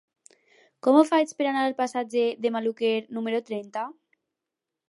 Com ho faig per anar al passatge de Maluquer número trenta?